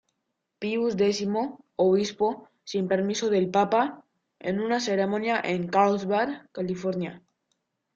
Pius X, obispo, sin permiso del papa, en una ceremonia en Carlsbad, California.